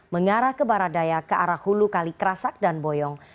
mengarah ke baradaya ke arah hulu kalikrasak dan boyong